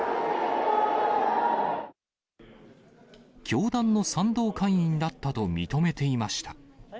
教団の賛同会員だったと認めていました。